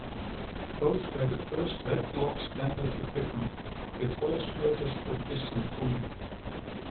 Both were the first redblocks standard equipped with oil squirters for piston cooling.